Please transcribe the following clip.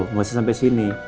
nggak usah sampai sini